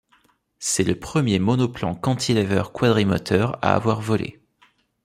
C’est le premier monoplan cantilever quadrimoteur à avoir volé.